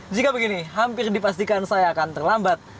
jika begini hampir dipastikan saya akan terlambat